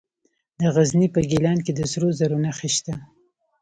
د غزني په ګیلان کې د سرو زرو نښې شته.